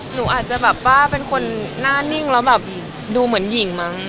หนูอาจจะแบบว่าเป็นคนหน้านิ่งแล้วแบบดูเหมือนหญิงมั้ง